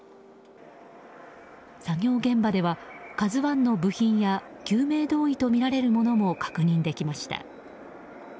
作業現場では「ＫＡＺＵ１」の部品や救命胴衣とみられるものも確認できました。